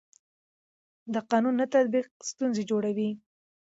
د قانون نه تطبیق ستونزې جوړوي